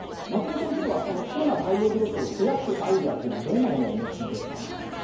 コロナ対応病床を増やすアイデアは、どんなものをお持ちですか？